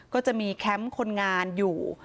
ก็จะมีแคมป์คนงานอยู่